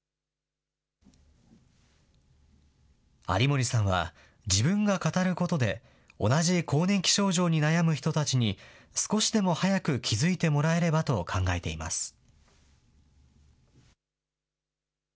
有森さんは、自分が語ることで、同じ更年期症状に悩む人たちに少しでも早く気付いてもらえればと考えています。